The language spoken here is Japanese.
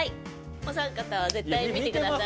お三方は絶対に見てください。